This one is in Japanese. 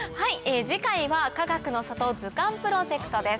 次回はかがくの里図鑑プロジェクトです。